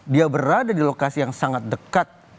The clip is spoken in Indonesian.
dia berada di lokasi yang sangat dekat